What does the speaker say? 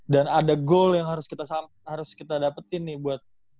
dan ada goal yang harus kita dapetin nih buat